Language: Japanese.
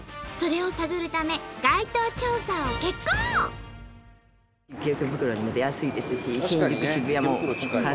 それを探るため街頭調査を決行！